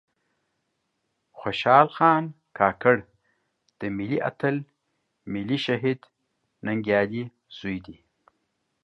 خوشال خان کاکړ د ملي آتل ملي شهيد ننګيالي ﺯوې دې